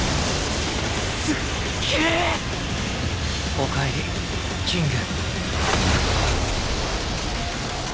おかえりキング。